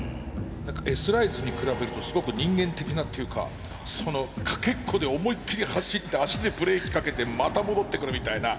何かＳライズに比べるとすごく人間的なっていうかかけっこで思いっきり走って足でブレーキかけてまた戻ってくるみたいな。